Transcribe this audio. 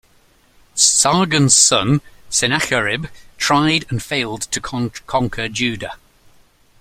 Sargon's son, Sennacherib, tried and failed to conquer Judah.